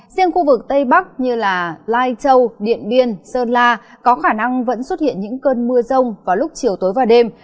riêng khu vực tây bắc như lai châu điện biên sơn la có khả năng vẫn xuất hiện những cơn mưa rông vào lúc chiều tối và đêm